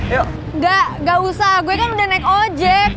yuk gak usah gue kan udah naik ojek